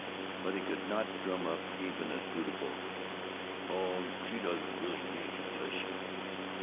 But he could not drum up even a dutiful "Oh, she doesn't really need you, does she?"